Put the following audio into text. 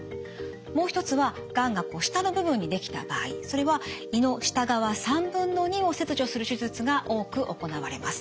もう一つはがんが下の部分にできた場合それは胃の下側2/3を切除する手術が多く行われます。